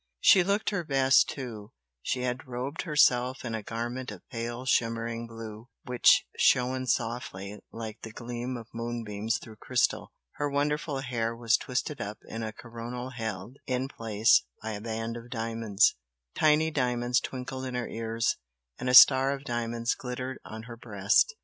She looked her best, too, she had robed herself in a garment of pale shimmering blue which shone softly like the gleam of moonbeams through crystal her wonderful hair was twisted up in a coronal held in place by a band of diamonds, tiny diamonds twinkled in her ears, and a star of diamonds glittered on her breast.